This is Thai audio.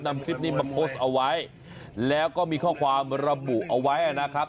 นำคลิปนี้มาโพสต์เอาไว้แล้วก็มีข้อความระบุเอาไว้นะครับ